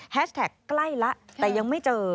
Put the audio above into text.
แท็กใกล้แล้วแต่ยังไม่เจอ